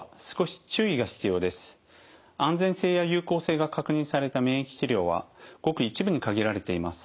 安全性や有効性が確認された免疫治療はごく一部に限られています。